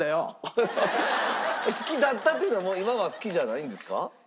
「好きだった」というのは今は好きじゃないんですか？